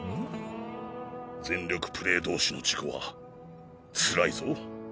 全力プレー同士の事故はつらいぞ。